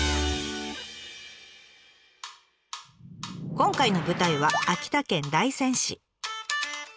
今回の舞台は秋田県大仙市。